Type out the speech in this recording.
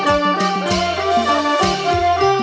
เธอไม่รู้ว่าเธอไม่รู้